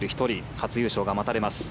初優勝が待たれます。